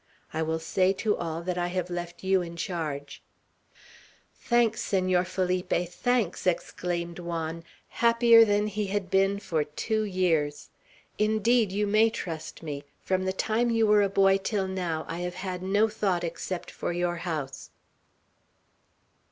I will say to all that I have left you in charge." "Thanks, Senor Felipe! Thanks!" exclaimed Juan, happier than he had been for two years. "Indeed, you may trust me! From the time you were a boy till now, I have had no thought except for your house."